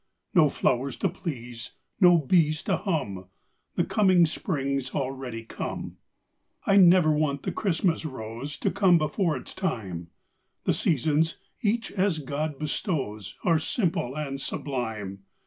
No flowers to please no bees to hum The coming spring's already come. I never want the Christmas rose To come before its time; The seasons, each as God bestows, Are simple and sublime.